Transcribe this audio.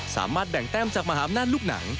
สามารถแบ่งแต้มจากมหาอำนาจลูกหนัง